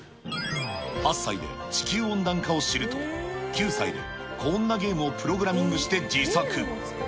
８歳で地球温暖化を知ると、９歳でこんなゲームをプログラミングして自作。